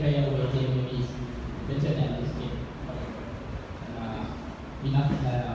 มันก็ยังให้ความสำคัญอยู่ใช่ไหมครับ